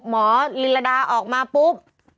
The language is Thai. หมอลีลาดาออกมาปุ๊บ